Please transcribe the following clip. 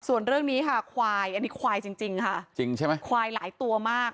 ส่วนเรื่องนี้ค่ะควายอันนี้ควายจริงจริงค่ะจริงใช่ไหมควายหลายตัวมาก